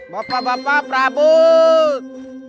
bapak bapak prabut